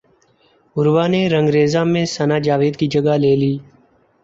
عروہ نے رنگریزا میں ثناء جاوید کی جگہ لے لی